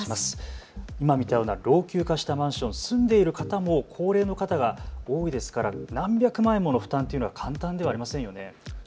今、見たような老朽化したマンション、住んでいる方も高齢の方が多いですから、何百万円もの負担は簡単ではありませんよね。